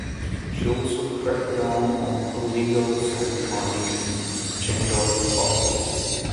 She also cracked down on illegal sand mining in Chengalpattu.